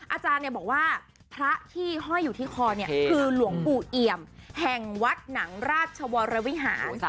อาจารย์บอกว่าพระที่ห้อยอยู่ที่คอเนี่ยคือหลวงปู่เอี่ยมแห่งวัดหนังราชวรวิหาร